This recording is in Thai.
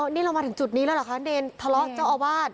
นี่เรามาถึงจุดนี้แล้วเหรอคะเนรทะเลาะเจ้าอาวาส